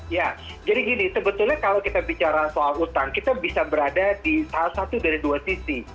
ya jadi gini sebetulnya kalau kita bicara soal utang kita bisa berada di salah satu dari dua sisi